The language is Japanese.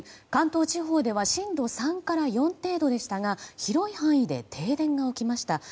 関東地方では震度３から４程度でしたが広い範囲で停電が起きました。